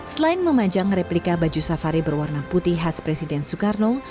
selain memajang replika baju safari berwarna putih khas presiden soekarno